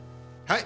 「はい」